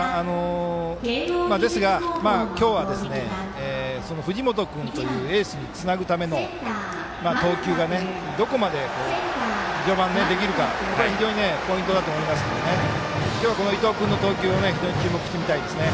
ですが、今日は藤本君というエースにつなぐための投球がどこまで序盤できるか、ここが非常にポイントだと思いますので今日は伊藤君の投球を注目してみたいですね。